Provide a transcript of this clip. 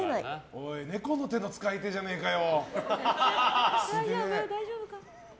おい猫の手の使い手じゃねえかよ。